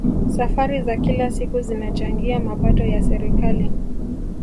safari za kila siku zinachangia mapato ya serikali